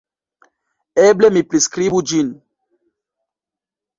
Eble mi priskribu ĝin.